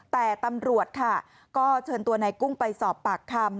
แต่ตำรวจค่ะก็เชิญตัวนายกุ้งไปสอบปากคำ